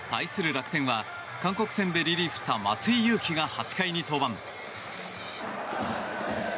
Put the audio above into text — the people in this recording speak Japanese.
楽天は韓国戦でリリーフした松井裕樹が８回に登板。